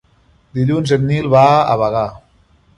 Dilluns en Nil va a Bagà.